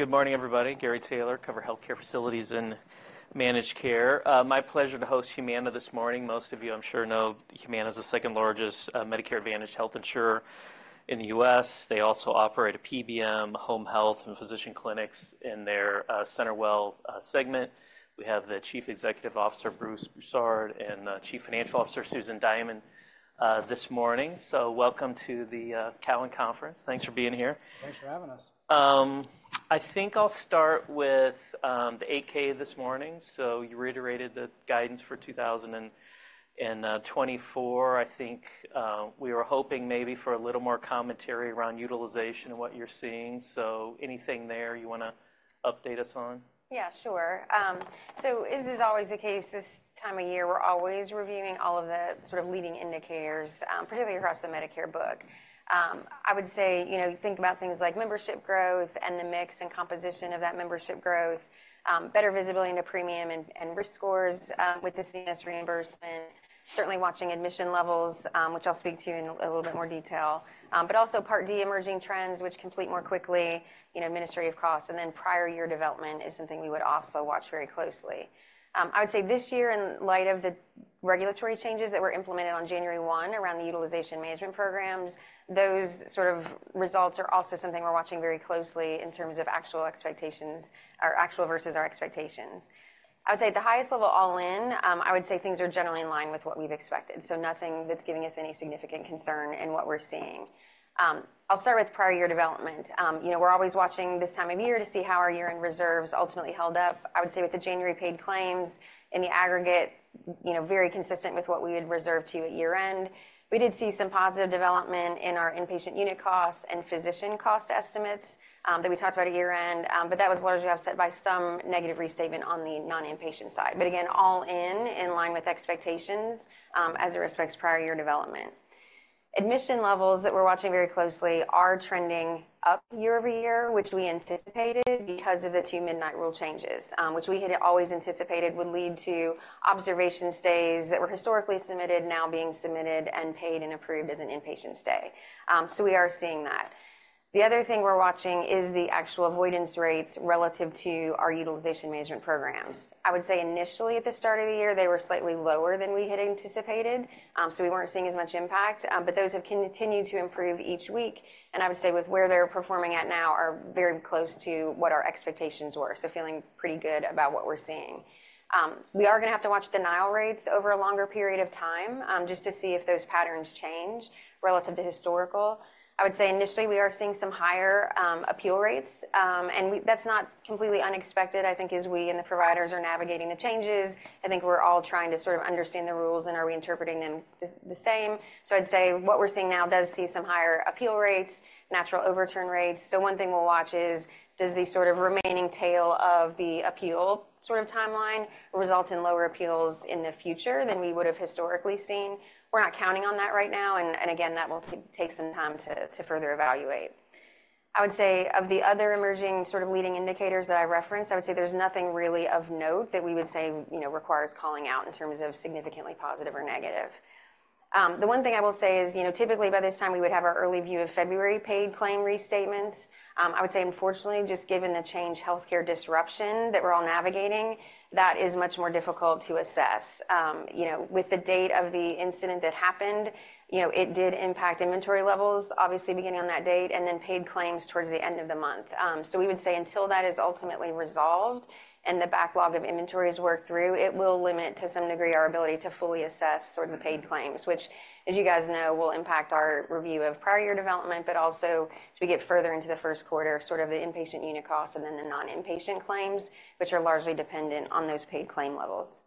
Good morning, everybody. Gary Taylor, cover healthcare facilities and managed care. My pleasure to host Humana this morning. Most of you, I'm sure, know Humana's the second-largest, Medicare Advantage health insurer in the U.S. They also operate a PBM, home health, and physician clinics in their CenterWell segment. We have the Chief Executive Officer, Bruce Broussard, and Chief Financial Officer, Susan Diamond, this morning. So welcome to the TD Cowen Conference. Thanks for being here. Thanks for having us. I think I'll start with the 8-K this morning. So you reiterated the guidance for 2023 and 2024. I think we were hoping maybe for a little more commentary around utilization and what you're seeing. So anything there you wanna update us on? Yeah, sure. So as is always the case, this time of year, we're always reviewing all of the sort of leading indicators, particularly across the Medicare book. I would say, you know, think about things like membership growth and the mix and composition of that membership growth, better visibility into premium and risk scores, with the CMS reimbursement. Certainly watching admission levels, which I'll speak to in a little bit more detail, but also Part D, emerging trends, which complete more quickly, you know, administrative costs. And then prior year development is something we would also watch very closely. I would say this year, in light of the regulatory changes that were implemented on January 1 around the utilization management programs, those sort of results are also something we're watching very closely in terms of actual expectations or actual versus our expectations. I would say at the highest level, all in, I would say things are generally in line with what we've expected, so nothing that's giving us any significant concern in what we're seeing. I'll start with prior year development. You know, we're always watching this time of year to see how our year-end reserves ultimately held up. I would say with the January paid claims in the aggregate, you know, very consistent with what we had reserved to you at year-end. We did see some positive development in our inpatient unit costs and physician cost estimates, that we talked about at year-end, but that was largely offset by some negative restatement on the non-inpatient side. But again, all in, in line with expectations, as it respects prior year development. Admission levels that we're watching very closely are trending up year-over-year, which we anticipated because of the Two-Midnight Rule changes, which we had always anticipated would lead to observation stays that were historically submitted now being submitted and paid and approved as an inpatient stay. So we are seeing that. The other thing we're watching is the actual avoidance rates relative to our utilization management programs. I would say initially, at the start of the year, they were slightly lower than we had anticipated, so we weren't seeing as much impact. Those have continued to improve each week. I would say with where they're performing at now are very close to what our expectations were, so feeling pretty good about what we're seeing. We are gonna have to watch denial rates over a longer period of time, just to see if those patterns change relative to historical. I would say initially, we are seeing some higher appeal rates. And that's not completely unexpected, I think, as we and the providers are navigating the changes. I think we're all trying to sort of understand the rules and are we interpreting them the same. So I'd say what we're seeing now does see some higher appeal rates, natural overturn rates. So one thing we'll watch is, does the sort of remaining tail of the appeal sort of timeline result in lower appeals in the future than we would have historically seen? We're not counting on that right now. And again, that will take some time to further evaluate. I would say of the other emerging sort of leading indicators that I referenced, I would say there's nothing really of note that we would say, you know, requires calling out in terms of significantly positive or negative. The one thing I will say is, you know, typically by this time, we would have our early view of February paid claim restatements. I would say, unfortunately, just given the Change Healthcare disruption that we're all navigating, that is much more difficult to assess. You know, with the date of the incident that happened, you know, it did impact inventory levels, obviously, beginning on that date and then paid claims towards the end of the month. So we would say until that is ultimately resolved and the backlog of inventories worked through, it will limit to some degree our ability to fully assess sort of the paid claims, which, as you guys know, will impact our review of prior year development, but also as we get further into the first quarter, sort of the inpatient unit costs and then the non-inpatient claims, which are largely dependent on those paid claim levels.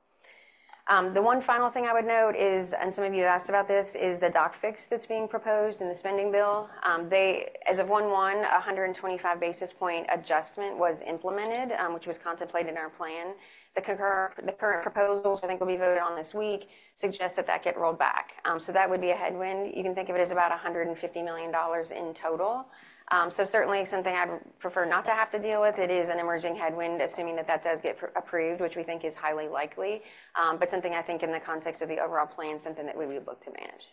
The one final thing I would note is, and some of you have asked about this, is the Doc Fix that's being proposed in the spending bill. They as of 1/1, a 125 basis point adjustment was implemented, which was contemplated in our plan. The current proposals, I think, will be voted on this week, suggest that that get rolled back. So that would be a headwind. You can think of it as about $150 million in total. So certainly something I'd prefer not to have to deal with. It is an emerging headwind, assuming that that does get approved, which we think is highly likely. But something I think in the context of the overall plan, something that we would look to manage.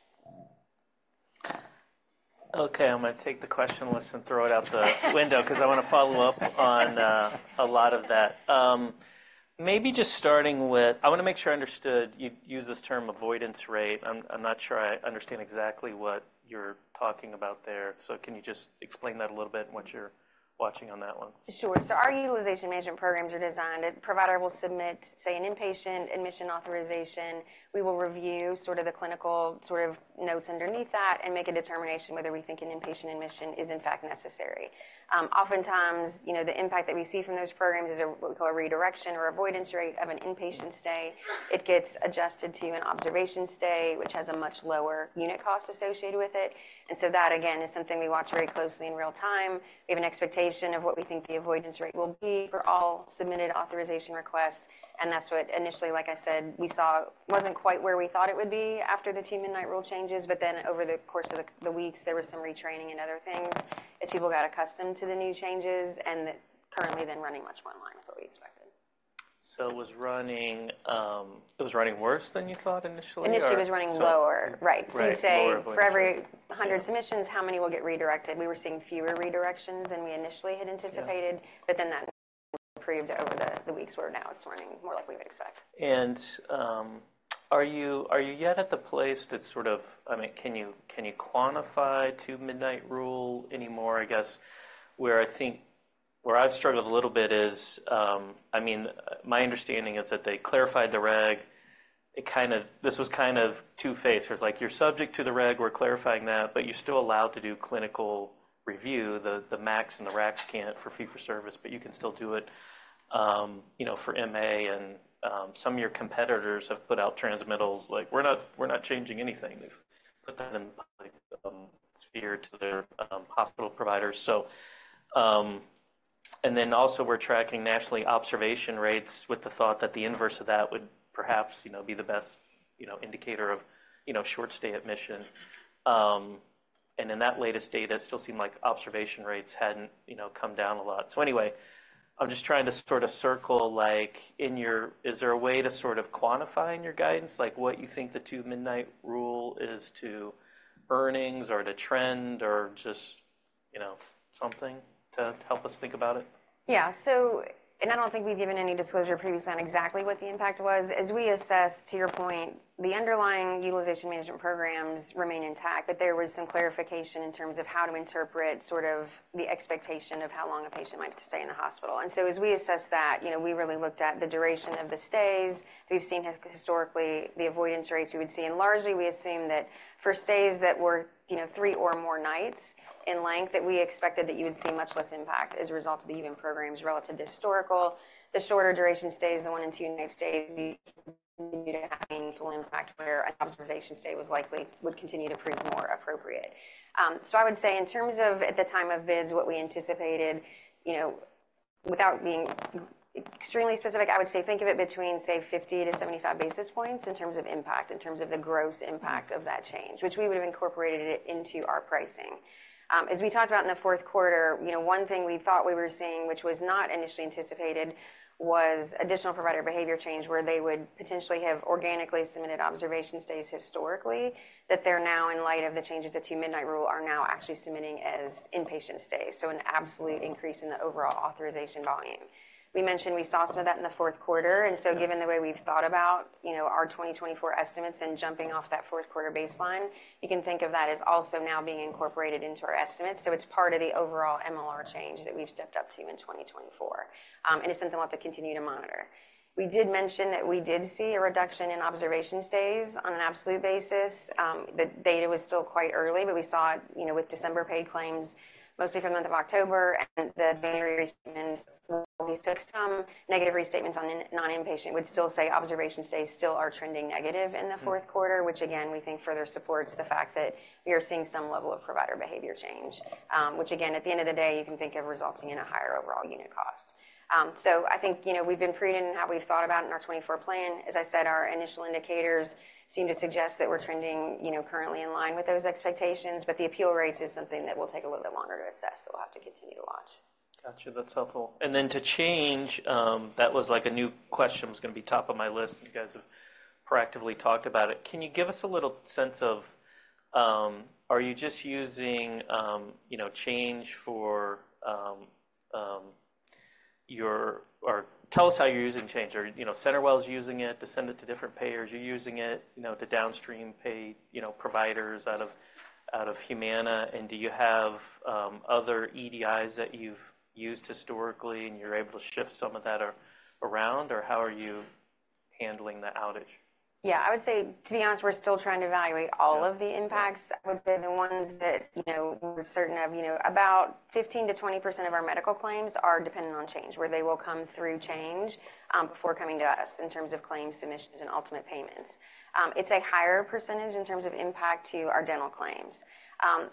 Okay. I'm gonna take the question list and throw it out the window 'cause I wanna follow up on a lot of that. Maybe just starting with I wanna make sure I understood you'd used this term avoidance rate. I'm not sure I understand exactly what you're talking about there. So can you just explain that a little bit and what you're watching on that one? Sure. So our utilization management programs are designed. A provider will submit, say, an inpatient admission authorization. We will review sort of the clinical sort of notes underneath that and make a determination whether we think an inpatient admission is, in fact, necessary. Oftentimes, you know, the impact that we see from those programs is a what we call a redirection or avoidance rate of an inpatient stay. It gets adjusted to an observation stay, which has a much lower unit cost associated with it. And so that, again, is something we watch very closely in real time. We have an expectation of what we think the avoidance rate will be for all submitted authorization requests. And that's what initially, like I said, we saw wasn't quite where we thought it would be after the Two-Midnight Rule changes. But then over the course of the weeks, there was some retraining and other things as people got accustomed to the new changes and currently then running much more in line with what we expected. It was running, it was running worse than you thought initially or? Initially, it was running lower. Right. So you'd say for every 100 submissions, how many will get redirected? We were seeing fewer redirections than we initially had anticipated. But then that improved over the weeks where now it's running more like we would expect. Are you yet at the place that sort of I mean, can you quantify Two-Midnight Rule anymore, I guess? Where I've struggled a little bit is, I mean, my understanding is that they clarified the reg. It was kind of two-faced. It was like, "You're subject to the reg. We're clarifying that, but you're still allowed to do clinical review. The MACs and the RACs can't for fee-for-service, but you can still do it," you know, for MA and some of your competitors have put out transmittals. Like, "We're not changing anything." They've put that in the public sphere to their hospital providers. And then also, we're tracking nationally observation rates with the thought that the inverse of that would perhaps, you know, be the best, you know, indicator of, you know, short-stay admission. In that latest data, it still seemed like observation rates hadn't, you know, come down a lot. So anyway, I'm just trying to sort of circle. Like, in your is there a way to sort of quantify in your guidance, like, what you think the Two-Midnight Rule is to earnings or to trend or just, you know, something to help us think about it? Yeah. I don't think we've given any disclosure previously on exactly what the impact was. As we assess, to your point, the underlying utilization management programs remain intact. But there was some clarification in terms of how to interpret sort of the expectation of how long a patient might stay in the hospital. So as we assess that, you know, we really looked at the duration of the stays. We've seen historically the avoidance rates we would see. Largely, we assume that for stays that were, you know, three or more nights in length, that we expected that you would see much less impact as a result of the UM programs relative to historical. The shorter duration stays, the one- and two-night stays, we continued to have meaningful impact where an observation stay was likely would continue to prove more appropriate. So I would say in terms of at the time of bids, what we anticipated, you know, without being extremely specific, I would say think of it between, say, 50 to 75 basis points in terms of impact, in terms of the gross impact of that change, which we would have incorporated it into our pricing. As we talked about in the fourth quarter, you know, one thing we thought we were seeing, which was not initially anticipated, was additional provider behavior change where they would potentially have organically submitted observation stays historically, that they're now, in light of the changes to Two-Midnight Rule, are now actually submitting as inpatient stays, so an absolute increase in the overall authorization volume. We mentioned we saw some of that in the fourth quarter. And so given the way we've thought about, you know, our 2024 estimates and jumping off that fourth-quarter baseline, you can think of that as also now being incorporated into our estimates. So it's part of the overall MLR change that we've stepped up to in 2024. And it's something we'll have to continue to monitor. We did mention that we did see a reduction in observation stays on an absolute basis. The data was still quite early. But we saw it, you know, with December paid claims, mostly from the month of October and the January restatements. We picked some negative restatements on non-inpatient. We'd still say observation stays still are trending negative in the fourth quarter, which, again, we think further supports the fact that we are seeing some level of provider behavior change, which, again, at the end of the day, you can think of resulting in a higher overall unit cost. So I think, you know, we've been preaching how we've thought about it in our 2024 plan. As I said, our initial indicators seem to suggest that we're trending, you know, currently in line with those expectations. But the appeal rates is something that will take a little bit longer to assess that we'll have to continue to watch. Gotcha. That's helpful. And then, Change, that was like a new question was gonna be top of my list. And you guys have proactively talked about it. Can you give us a little sense of, are you just using, you know, Change for your, or tell us how you're using Change? Are, you know, CenterWell's using it to send it to different payers? You're using it, you know, to downstream pay, you know, providers out of Humana. And do you have other EDIs that you've used historically, and you're able to shift some of that around? Or how are you handling the outage? Yeah. I would say, to be honest, we're still trying to evaluate all of the impacts. I would say the ones that, you know, we're certain of, you know, about 15% to 20% of our medical claims are dependent on Change, where they will come through Change, before coming to us in terms of claim submissions and ultimate payments. It's a higher percentage in terms of impact to our dental claims.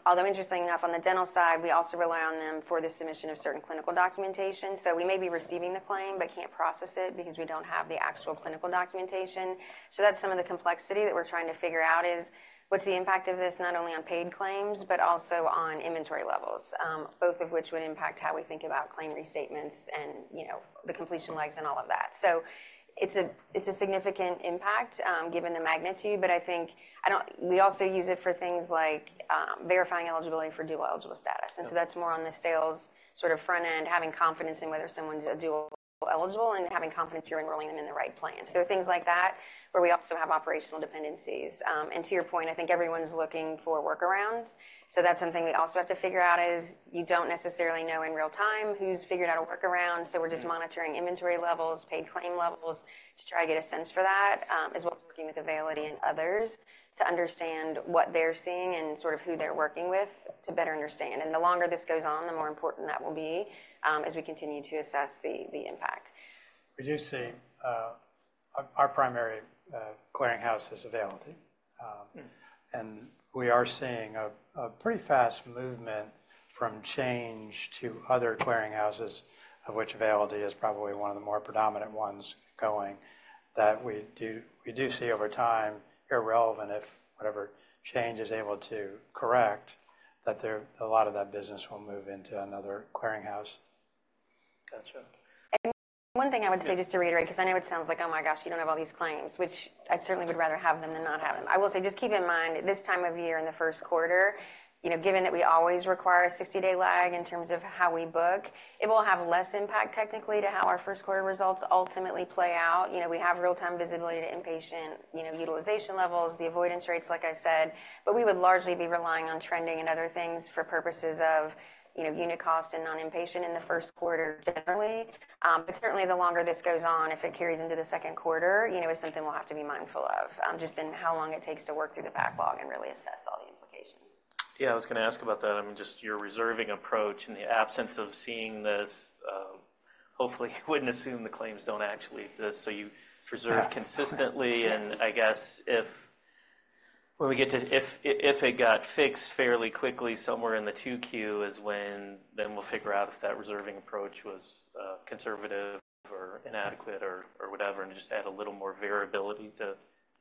Although interesting enough, on the dental side, we also rely on them for the submission of certain clinical documentation. So we may be receiving the claim but can't process it because we don't have the actual clinical documentation. So that's some of the complexity that we're trying to figure out is, what's the impact of this not only on paid claims but also on inventory levels, both of which would impact how we think about claim restatements and, you know, the completion lags and all of that. So it's a significant impact, given the magnitude. But I think we also use it for things like verifying eligibility for dual-eligible status. And so that's more on the sales sort of front end, having confidence in whether someone's dual-eligible and having confidence you're enrolling them in the right plan. So there are things like that where we also have operational dependencies. To your point, I think everyone's looking for workarounds. So that's something we also have to figure out is, you don't necessarily know in real time who's figured out a workaround. So we're just monitoring inventory levels, paid claim levels to try to get a sense for that, as well as working with Availity and others to understand what they're seeing and sort of who they're working with to better understand. The longer this goes on, the more important that will be, as we continue to assess the impact. We do see our primary clearinghouse is Availity. And we are seeing a pretty fast movement from Change to other clearinghouses, of which Availity is probably one of the more predominant ones going, that we do see over time, irrelevant if whatever Change is able to correct, that there's a lot of that business will move into another clearinghouse. Gotcha. One thing I would say just to reiterate 'cause I know it sounds like, "Oh, my gosh. You don't have all these claims," which I certainly would rather have them than not have them. I will say, just keep in mind, this time of year in the first quarter, you know, given that we always require a 60-day lag in terms of how we book, it will have less impact technically to how our first-quarter results ultimately play out. You know, we have real-time visibility to inpatient, you know, utilization levels, the avoidance rates, like I said. But we would largely be relying on trending and other things for purposes of, you know, unit cost and non-inpatient in the first quarter generally. Certainly, the longer this goes on, if it carries into the second quarter, you know, is something we'll have to be mindful of, just in how long it takes to work through the backlog and really assess all the implications. Yeah. I was gonna ask about that. I mean, just your reserving approach in the absence of seeing this, hopefully, you wouldn't assume the claims don't actually exist. So you reserve consistently. And I guess if when we get to if it got fixed fairly quickly somewhere in the 2Q is when then we'll figure out if that reserving approach was conservative or inadequate or whatever and just add a little more variability to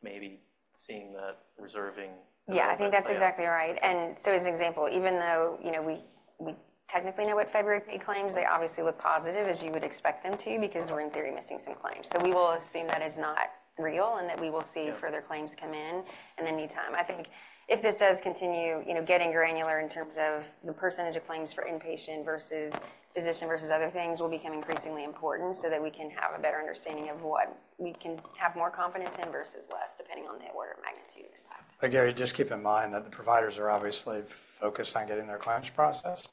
maybe seeing that reserving approach. Yeah. I think that's exactly right. And so as an example, even though, you know, we technically know what February paid claims, they obviously look positive as you would expect them to because we're, in theory, missing some claims. So we will assume that is not real and that we will see further claims come in in the meantime. I think if this does continue, you know, getting granular in terms of the percentage of claims for inpatient versus physician versus other things will become increasingly important so that we can have a better understanding of what we can have more confidence in versus less, depending on the order of magnitude of impact. Again, just keep in mind that the providers are obviously focused on getting their claims processed.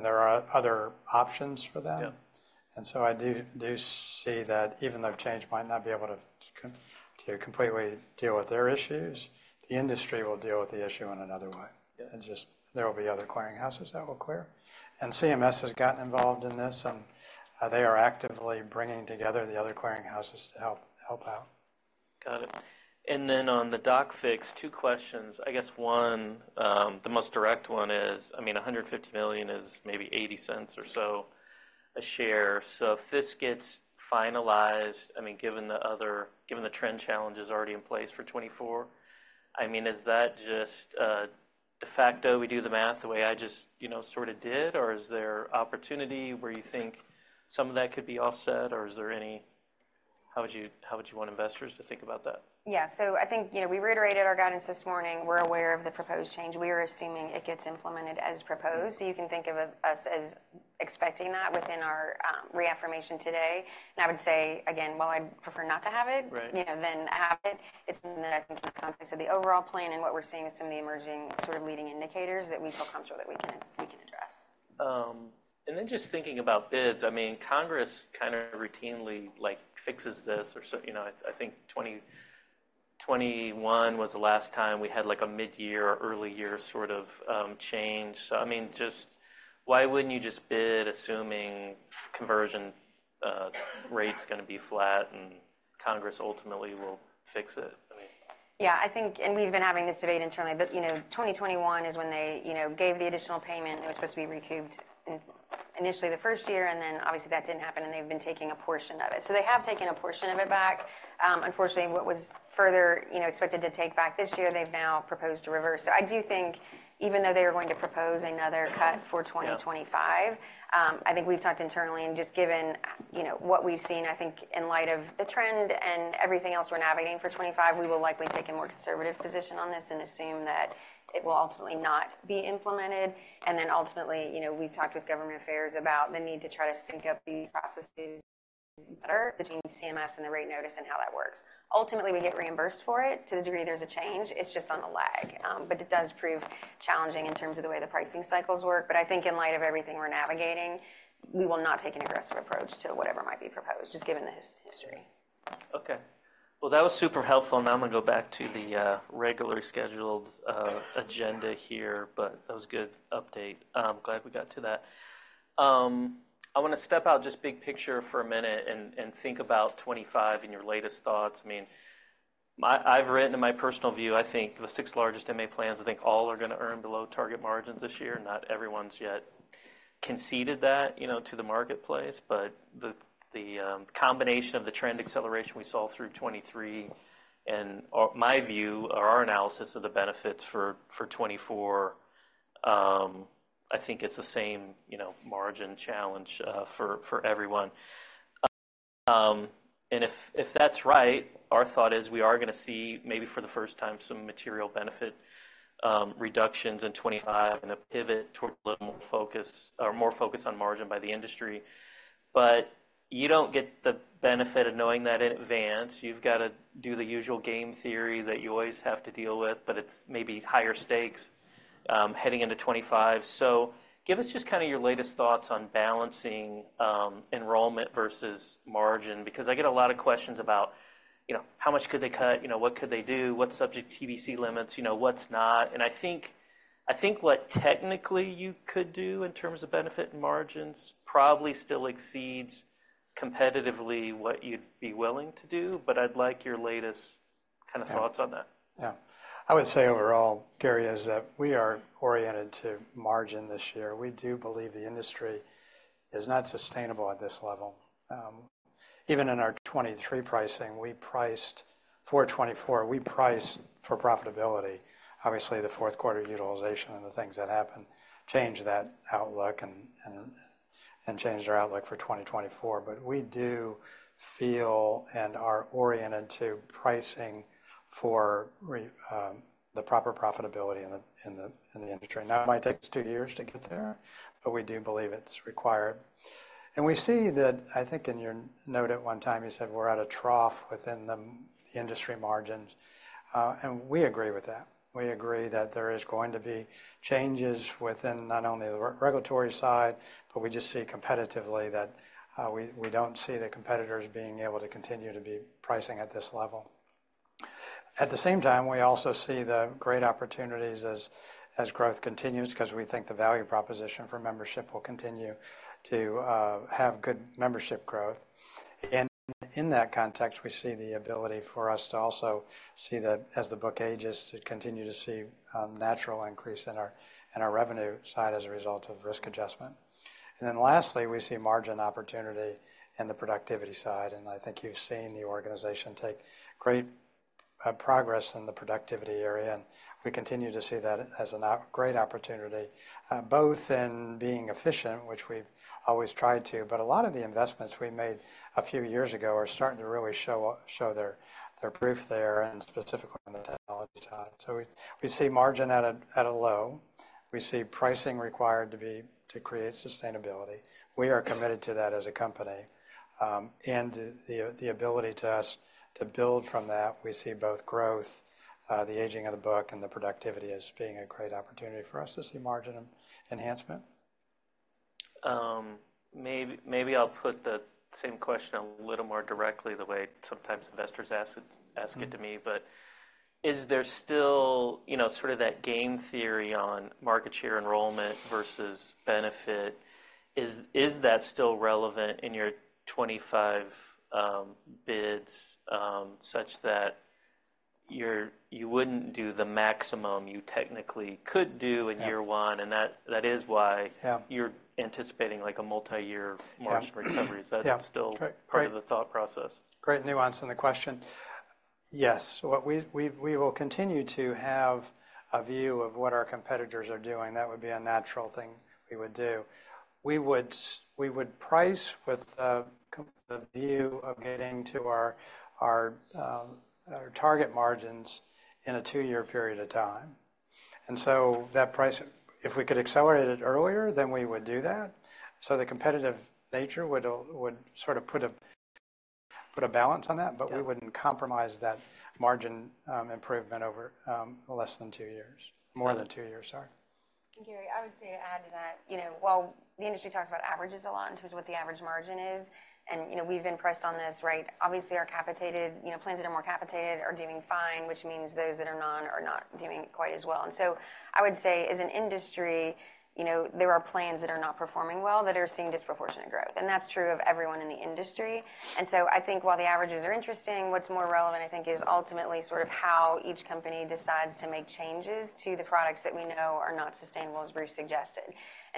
There are other options for them. Yeah. And so I do see that even though Change Healthcare might not be able to completely deal with their issues, the industry will deal with the issue in another way. Yeah. Just, there will be other clearinghouses that will clear. CMS has gotten involved in this. And they are actively bringing together the other clearinghouses to help out. Got it. And then on the Doc Fix, two questions. I guess one, the most direct one is, I mean, $150 million is maybe $0.80 or so a share. So if this gets finalized, I mean, given the other given the trend challenge is already in place for 2024, I mean, is that just de facto? We do the math the way I just, you know, sort of did? Or is there opportunity where you think some of that could be offset? Or is there any how would you how would you want investors to think about that? Yeah. So I think, you know, we reiterated our guidance this morning. We're aware of the proposed change. We are assuming it gets implemented as proposed. So you can think of us as expecting that within our reaffirmation today. And I would say, again, while I'd prefer not to have it. Right. You know, then have it. It's something that I think is in the context of the overall plan and what we're seeing as some of the emerging sort of leading indicators that we feel comfortable that we can address. And then just thinking about bids, I mean, Congress kind of routinely, like, fixes this or so you know, I, I think 2021 was the last time we had, like, a midyear or early year sort of change. So I mean, just why wouldn't you just bid, assuming conversion rate's gonna be flat and Congress ultimately will fix it? I mean. Yeah. I think and we've been having this debate internally. But, you know, 2021 is when they, you know, gave the additional payment. It was supposed to be recouped in initially the first year. And then, obviously, that didn't happen. And they've been taking a portion of it. So they have taken a portion of it back. Unfortunately, what was further, you know, expected to take back this year, they've now proposed to reverse. So I do think even though they are going to propose another cut for 2025. Yeah. I think we've talked internally. Just given, you know, what we've seen, I think, in light of the trend and everything else we're navigating for 2025, we will likely take a more conservative position on this and assume that it will ultimately not be implemented. Then ultimately, you know, we've talked with government affairs about the need to try to sync up these processes better between CMS and the rate notice and how that works. Ultimately, we get reimbursed for it to the degree there's a change. It's just on a lag, but it does prove challenging in terms of the way the pricing cycles work. But I think in light of everything we're navigating, we will not take an aggressive approach to whatever might be proposed, just given the history. Okay. Well, that was super helpful. Now, I'm gonna go back to the regularly scheduled agenda here. But that was a good update. Glad we got to that. I wanna step out just big picture for a minute and think about 2025 and your latest thoughts. I mean, my I've written in my personal view, I think, the six largest MA plans, I think, all are gonna earn below target margins this year. Not everyone's yet conceded that, you know, to the marketplace. But the combination of the trend acceleration we saw through 2023 and our my view or our analysis of the benefits for 2024, I think it's the same, you know, margin challenge for everyone. And if, if that's right, our thought is, we are gonna see maybe for the first time some material benefit reductions in 2025 and a pivot towards a little more focus or more focus on margin by the industry. But you don't get the benefit of knowing that in advance. You've gotta do the usual game theory that you always have to deal with. But it's maybe higher stakes, heading into 2025. So give us just kinda your latest thoughts on balancing enrollment versus margin because I get a lot of questions about, you know, how much could they cut? You know, what could they do? What's subject to TBC limits? You know, what's not? And I think I think what technically you could do in terms of benefit and margins probably still exceeds competitively what you'd be willing to do. But I'd like your latest kinda thoughts on that. Yeah. I would say overall, Gary, is that we are oriented to margin this year. We do believe the industry is not sustainable at this level. Even in our 2023 pricing, we priced for 2024, we priced for profitability. Obviously, the fourth quarter utilization and the things that happened changed that outlook and changed our outlook for 2024. But we do feel and are oriented to pricing for the proper profitability in the industry. Now, it might take us two years to get there. But we do believe it's required. And we see that I think in your note at one time, you said, "We're at a trough within the industry margins." And we agree with that. We agree that there is going to be changes within not only the regulatory side, but we just see competitively that, we, we don't see the competitors being able to continue to be pricing at this level. At the same time, we also see the great opportunities as, as growth continues 'cause we think the value proposition for membership will continue to, have good membership growth. And in that context, we see the ability for us to also see that as the book ages, to continue to see, natural increase in our in our revenue side as a result of risk adjustment. And then lastly, we see margin opportunity in the productivity side. And I think you've seen the organization take great, progress in the productivity area. And we continue to see that as an ongoing great opportunity, both in being efficient, which we've always tried to. But a lot of the investments we made a few years ago are starting to really show their proof there, and specifically on the technology side. So we see margin at a low. We see pricing required to create sustainability. We are committed to that as a company. And the ability for us to build from that, we see both growth, the aging of the book, and the productivity as being a great opportunity for us to see margin enhancement. Maybe, maybe I'll put the same question a little more directly the way sometimes investors ask it ask it to me. But is there still, you know, sort of that game theory on market share enrollment versus benefit? Is, is that still relevant in your 2025 bids, such that you're you wouldn't do the maximum you technically could do in year one? And that, that is why. Yeah. You're anticipating, like, a multiyear margin recovery. Is that still? Yeah. Part of the thought process? Great nuance in the question. Yes. What we will continue to have a view of what our competitors are doing. That would be a natural thing we would do. We would we would price with the, the view of getting to our, our, our target margins in a two-year period of time. And so that price if we could accelerate it earlier, then we would do that. So the competitive nature would sort of put a balance on that. But we wouldn't compromise that margin improvement over less than two years—more than two years, sorry. Gary, I would say to add to that, you know, while the industry talks about averages a lot in terms of what the average margin is and, you know, we've been pressed on this, right, obviously, our capitated, you know, plans that are more capitated are doing fine, which means those that are non are not doing quite as well. And so I would say, as an industry, you know, there are plans that are not performing well that are seeing disproportionate growth. And that's true of everyone in the industry. And so I think while the averages are interesting, what's more relevant, I think, is ultimately sort of how each company decides to make changes to the products that we know are not sustainable, as Bruce suggested.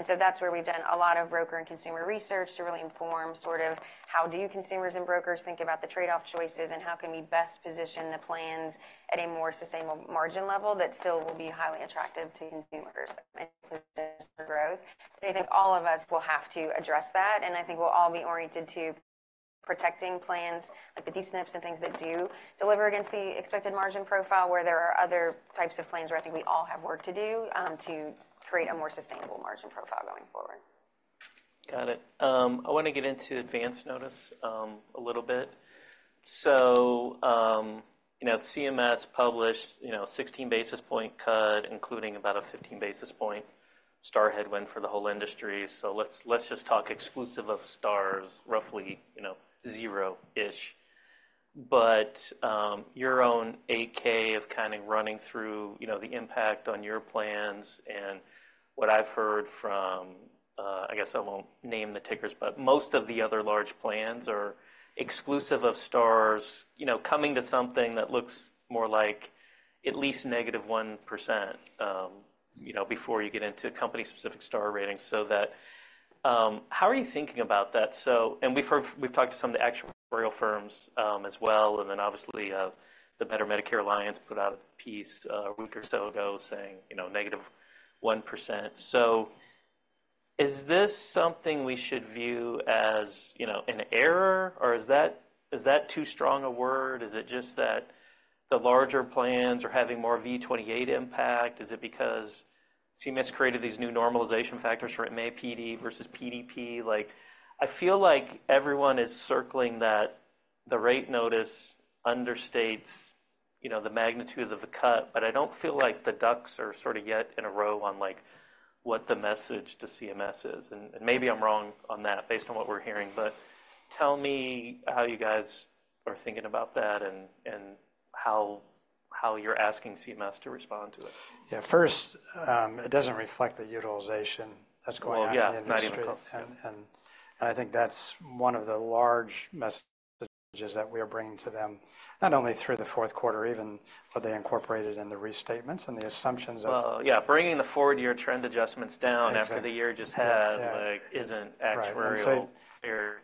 So that's where we've done a lot of broker and consumer research to really inform sort of how do consumers and brokers think about the trade-off choices? And how can we best position the plans at a more sustainable margin level that still will be highly attractive to consumers that may pose growth? I think all of us will have to address that. I think we'll all be oriented to protecting plans, like the D-SNPs and things that do deliver against the expected margin profile where there are other types of plans where I think we all have work to do, to create a more sustainable margin profile going forward. Got it. I wanna get into Advance Notice, a little bit. So, you know, CMS published, you know, a 16 basis points cut, including about a 15 basis points STAR headwind for the whole industry. So let's just talk exclusive of STARs, roughly, you know, zero-ish. But, your own 8-K of kind of running through, you know, the impact on your plans and what I've heard from, I guess I won't name the tickers. But most of the other large plans are exclusive of STARs, you know, coming to something that looks more like at least negative 1%, you know, before you get into company-specific STAR ratings so that, how are you thinking about that? So, and we've heard we've talked to some of the actuarial firms, as well. And then obviously, the Better Medicare Alliance put out a piece, a week or so ago saying, you know, negative 1%. So is this something we should view as, you know, an error? Or is that too strong a word? Is it just that the larger plans are having more V28 impact? Is it because CMS created these new normalization factors for MAPD versus PDP? Like, I feel like everyone is circling that the rate notice understates, you know, the magnitude of the cut. But I don't feel like the ducks are sort of yet in a row on, like, what the message to CMS is. And maybe I'm wrong on that based on what we're hearing. But tell me how you guys are thinking about that and how you're asking CMS to respond to it. Yeah. First, it doesn't reflect the utilization that's going on in the industry. Well, yeah. Not even close. And I think that's one of the large messages that we are bringing to them, not only through the fourth quarter, even what they incorporated in the restatements and the assumptions of. Well, yeah. Bringing the four-year trend adjustments down after the year just had. Yeah. Like, isn't actuarial. Right. Area.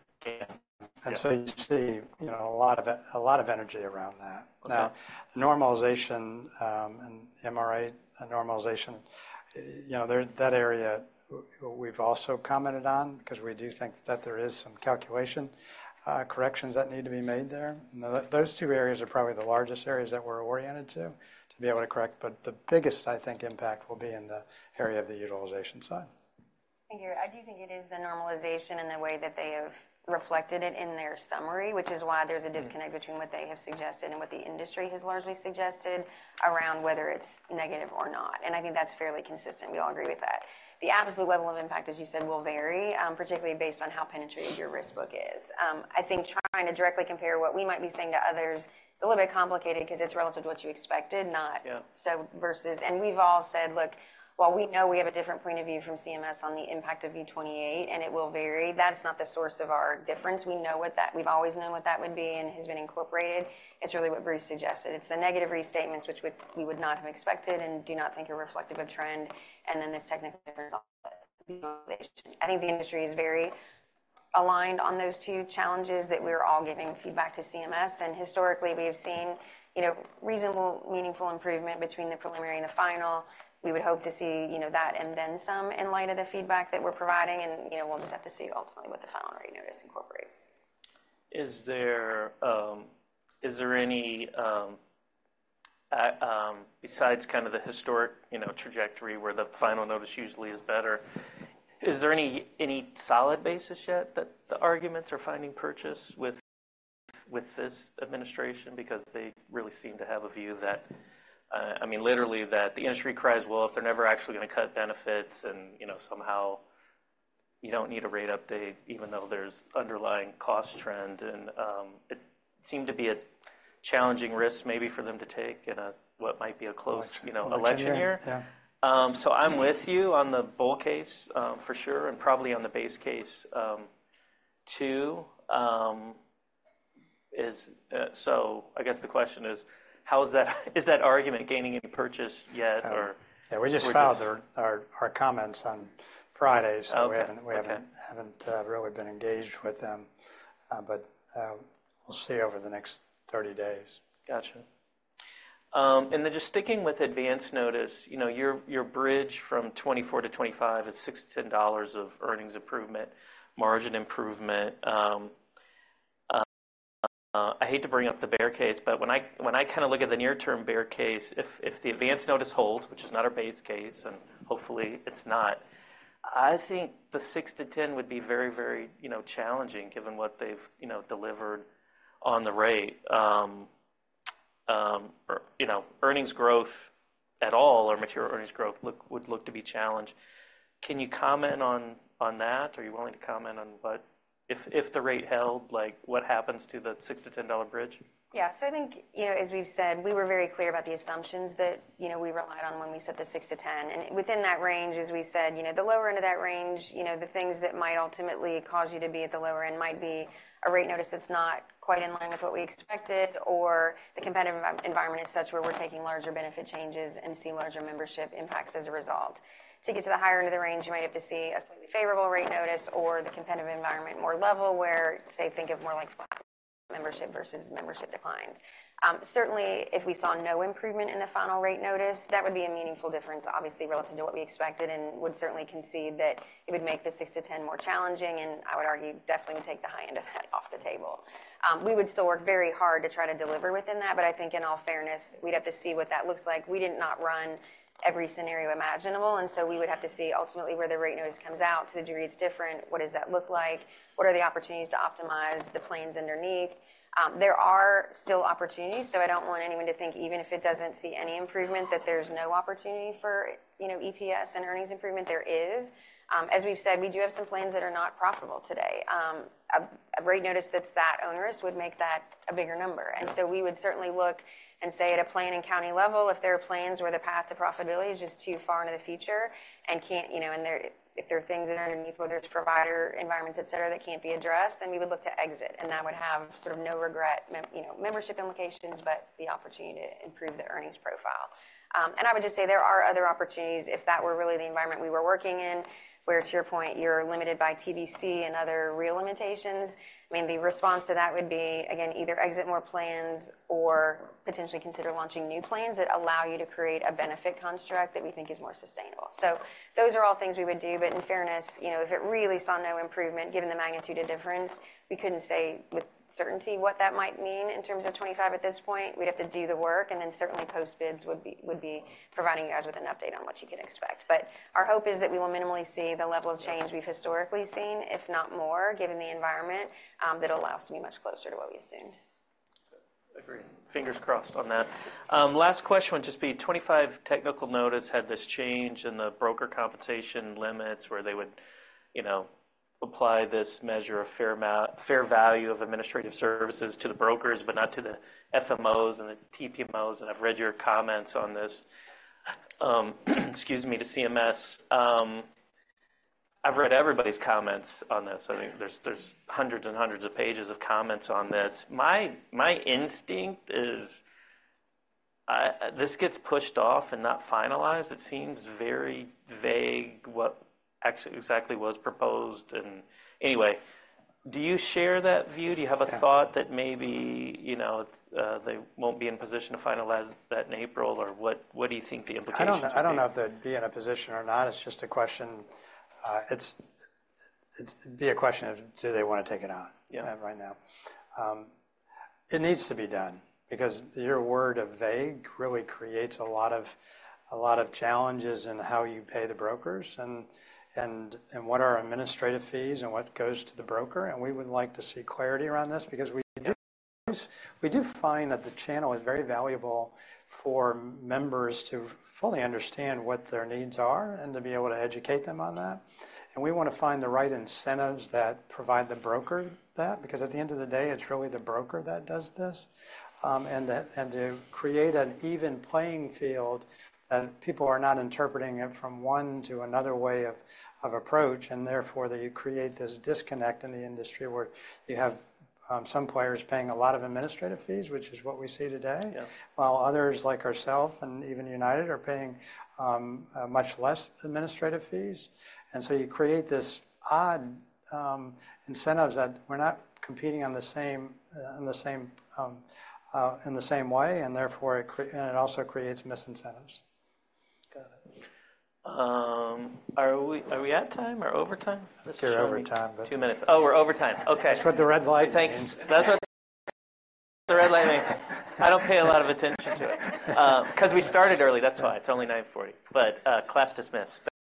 So you see, you know, a lot of energy around that. Okay. Now, the normalization, and MRA, the normalization, you know, there that area, we've also commented on because we do think that there is some calculation, corrections that need to be made there. And those two areas are probably the largest areas that we're oriented to, to be able to correct. But the biggest, I think, impact will be in the area of the utilization side. Gary, I do think it is the normalization and the way that they have reflected it in their summary, which is why there's a disconnect between what they have suggested and what the industry has largely suggested around whether it's negative or not. And I think that's fairly consistent. We all agree with that. The absolute level of impact, as you said, will vary, particularly based on how penetrated your risk book is. I think trying to directly compare what we might be saying to others, it's a little bit complicated 'cause it's relative to what you expected, not. Yeah. So versus and we've all said, "Look, while we know we have a different point of view from CMS on the impact of V28, and it will vary, that's not the source of our difference. We know what that we've always known what that would be and has been incorporated. It's really what Bruce suggested. It's the negative restatements, which we would not have expected and do not think are reflective of trend. And then this technically resolves it." I think the industry is very aligned on those two challenges that we're all giving feedback to CMS. And historically, we have seen, you know, reasonable, meaningful improvement between the preliminary and the final. We would hope to see, you know, that and then some in light of the feedback that we're providing. And, you know, we'll just have to see ultimately what the final rate notice incorporates. Is there any besides kinda the historic, you know, trajectory where the final notice usually is better? Is there any solid basis yet that the arguments are finding purchase with this administration? Because they really seem to have a view that, I mean, literally, that the industry cries, "Well, if they're never actually gonna cut benefits, and, you know, somehow you don't need a rate update even though there's underlying cost trend." And it seemed to be a challenging risk maybe for them to take in a what might be a close. Election year. You know, election year. Yeah. I'm with you on the bull case, for sure and probably on the base case, too. So I guess the question is, how is that argument gaining any purchase yet or. Yeah. We just filed our comments on Friday. Okay. So we haven't really been engaged with them, but we'll see over the next 30 days. Gotcha. And then just sticking with advance notice, you know, your, your bridge from 2024 to 2025 is $6 to $10 of earnings improvement, margin improvement. I hate to bring up the bear case. But when I when I kinda look at the near-term bear case, if, if the advance notice holds, which is not our base case and hopefully, it's not, I think the 6-10 would be very, very, you know, challenging given what they've, you know, delivered on the rate. Or, you know, earnings growth at all or material earnings growth look would look to be challenged. Can you comment on, on that? Are you willing to comment on what if, if the rate held, like, what happens to the $6 to $10 bridge? Yeah. So I think, you know, as we've said, we were very clear about the assumptions that, you know, we relied on when we set the 6-10. And within that range, as we said, you know, the lower end of that range, you know, the things that might ultimately cause you to be at the lower end might be a rate notice that's not quite in line with what we expected or the competitive environment as such where we're taking larger benefit changes and see larger membership impacts as a result. To get to the higher end of the range, you might have to see a slightly favorable rate notice or the competitive environment more level where, say, think of more like flat membership versus membership declines. Certainly, if we saw no improvement in the final rate notice, that would be a meaningful difference, obviously, relative to what we expected and would certainly concede that it would make the $6 to $10 more challenging. I would argue definitely take the high end of that off the table. We would still work very hard to try to deliver within that. But I think, in all fairness, we'd have to see what that looks like. We did not run every scenario imaginable. So we would have to see ultimately where the rate notice comes out, to the degree it's different, what does that look like, what are the opportunities to optimize the plans underneath. There are still opportunities. So I don't want anyone to think even if it doesn't see any improvement that there's no opportunity for, you know, EPS and earnings improvement. There is. As we've said, we do have some plans that are not profitable today. A rate notice that's that onerous would make that a bigger number. And so we would certainly look and say at a plan and county level, if there are plans where the path to profitability is just too far into the future and can't you know, and there if there are things underneath, whether it's provider environments, etc., that can't be addressed, then we would look to exit. And that would have sort of no regret me you know, membership implications but the opportunity to improve the earnings profile. And I would just say there are other opportunities if that were really the environment we were working in where, to your point, you're limited by TBC and other real limitations. I mean, the response to that would be, again, either exit more plans or potentially consider launching new plans that allow you to create a benefit construct that we think is more sustainable. So those are all things we would do. But in fairness, you know, if it really saw no improvement given the magnitude of difference, we couldn't say with certainty what that might mean in terms of 2025 at this point. We'd have to do the work. And then certainly, post-bids would be providing you guys with an update on what you can expect. But our hope is that we will minimally see the level of change we've historically seen, if not more, given the environment, that allows to be much closer to what we assumed. Agreed. Fingers crossed on that. Last question would just be, “2025 technical notice had this change in the broker compensation limits where they would, you know, apply this measure of fair market value of administrative services to the brokers but not to the FMOs and the TPMOs? And I've read your comments on this, excuse me, to CMS. I've read everybody's comments on this. I think there's hundreds and hundreds of pages of comments on this. My instinct is, this gets pushed off and not finalized. It seems very vague what actually exactly was proposed. And anyway, do you share that view? Do you have a thought that maybe, you know, they won't be in position to finalize that in April? Or what do you think the implications would be?” I don't know. I don't know if they'd be in a position or not. It's just a question of do they wanna take it on. Yeah. Right now it needs to be done because your wording is vague, really creates a lot of challenges in how you pay the brokers and what are administrative fees and what goes to the broker. And we would like to see clarity around this because we do. Yeah. We do find that the channel is very valuable for members to fully understand what their needs are and to be able to educate them on that. And we wanna find the right incentives that provide the broker that because at the end of the day, it's really the broker that does this, and that and to create an even playing field that people are not interpreting it from one to another way of, of approach. And therefore, that you create this disconnect in the industry where you have, some players paying a lot of administrative fees, which is what we see today. Yeah. While others like ourselves and even United are paying much less administrative fees. So you create this odd incentives that we're not competing on the same in the same way. Therefore, it also creates misincentives. Got it. Are we are we at time or overtime? It's your overtime, but. Two minutes. Oh, we're overtime. Okay. That's what the red light. Thanks. That's what the red light means. I don't pay a lot of attention to it, 'cause we started early. That's why. It's only 9:40 A.M. But, class dismissed.